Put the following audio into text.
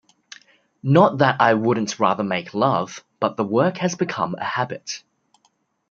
Not that I wouldn't rather make love, but the work has become a habit.